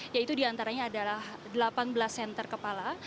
yaitu diantaranya adalah delapan belas senter kepala